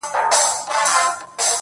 چې زۀ په یو کردار کښې هم د شمارولو نۀ یم